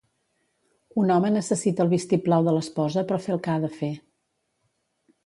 Un home necessita el vistiplau de l'esposa per fer el que ha de fer.